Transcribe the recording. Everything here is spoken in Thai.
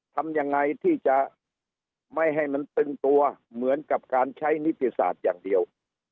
ทำยังไงที่จะไม่ให้มันตึงตัวเหมือนกับการใช้นิติศาสตร์อย่างเดียว